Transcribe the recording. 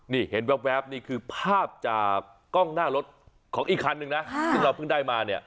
นี่เห็นแว๊บนี่คือภาพจากกล้องหน้ารถของอีกคันนึงนะซึ่งเราเพิ่งได้มาเนี่ย